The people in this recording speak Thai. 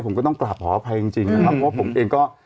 ผมก็ต้องกลับขออภัยจริงนะครับเพราะว่าผมเองก็